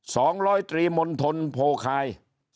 สองร้อยตรีมณฑลโพคาย